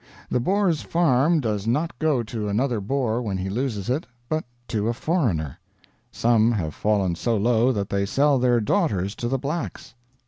The Boer's farm does not go to another Boer when he loses it, but to a foreigner. Some have fallen so low that they sell their daughters to the blacks."